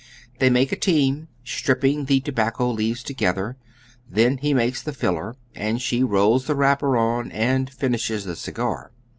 They make a team, stripping the tobacco leaves together ; then he makes the filler, and she rolls the wrapper on and finishes the cigar.